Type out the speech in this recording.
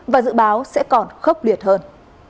và dự báo sẽ còn khốc liệt hơn